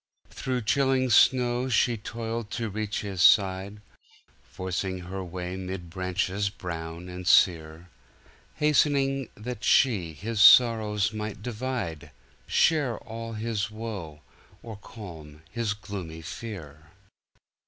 Through chilling snow she toiled to reach his side, Forcing her way mid branches brown and sere, Hastening that she his sorrows might divide, Share all his woe, or calm his gloomy fear.